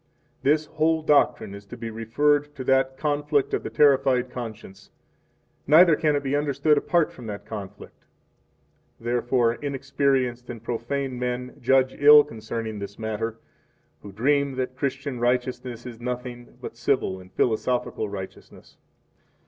17 This whole doctrine is to be referred to that conflict of the terrified conscience, neither can it be understood apart from that conflict. Therefore 18 inexperienced and profane men judge ill concerning this matter, who dream that Christian righteousness is nothing but civil and philosophical righteousness.